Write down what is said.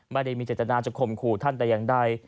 ไม่ได้มีเจตนาจะข่มขู่ท่านแต่อย่างใด